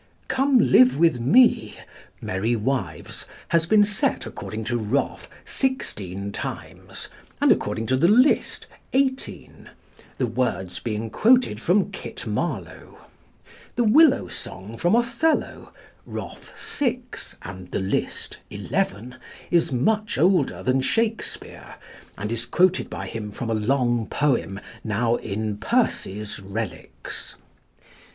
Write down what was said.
"Come live with me" (Merry Wives) has been set, according to Roffe, sixteen times, and according to the "List" eighteen the words being quoted from Kit Marlowe. "The Willow" song from Othello (Roffe six and the "List" eleven) is much older than Shakespeare, and is quoted by him from a long poem now in Percy's Reliques.